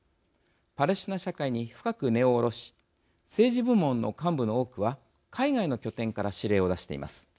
パレスチナ社会に深く根を下ろし政治部門の幹部の多くは海外の拠点から指令を出しています。